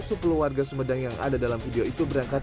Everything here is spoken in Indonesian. sepuluh warga sumedang yang ada dalam video itu berangkat